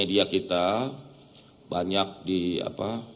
media kita banyak di apa